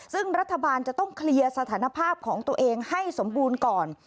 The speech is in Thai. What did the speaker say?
ซึ่งรัฐบาลจะต้องเคลียร์สถานภาพของตัวเองให้สมบูรณ์ก่อน